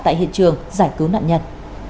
tại hiện trường giải cứu nạn nhân